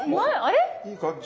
いい感じ。